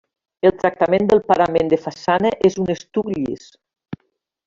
El tractament del parament de façana és un estuc llis.